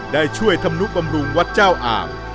ได้ช่วยทำลุกบำรุงวัดเจ้าอาบ